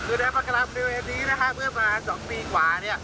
คือแนวปากการังในวันต้นนี้นะคะเมื่อปากศัษฐ์มา๒ปีกว่า